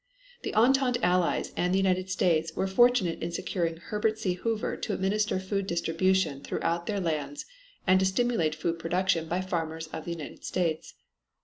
The Entente Allies and the United States were fortunate in securing Herbert C. Hoover to administer food distribution throughout their lands and to stimulate food production by the farmers of the United States.